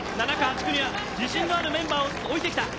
７区、８区には自信のあるメンバーを置いてきた。